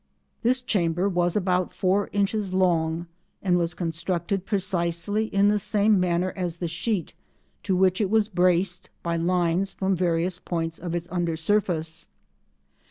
This chamber was about four inches long and was constructed precisely in the same manner as the sheet, to which it was braced by lines from various points of its under surface.